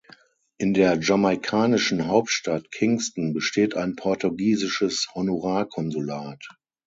In der jamaikanischen Hauptstadt Kingston besteht ein portugiesisches Honorarkonsulat.